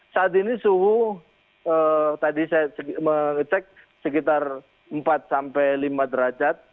saat ini suhu tadi saya mengecek sekitar empat sampai lima derajat